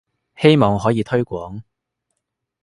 希望可以推廣